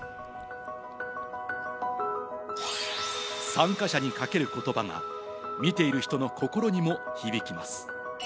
参加者にかける言葉が見ている人の心にも響きます。